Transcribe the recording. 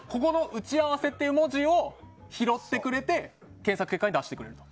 打ち合わせという文字を拾ってくれて検索結果に出してくれると。